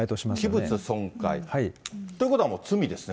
器物損壊。ということはもう罪ですね。